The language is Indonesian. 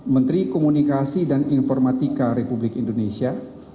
menteri komunikasi dan informatika republik indonesia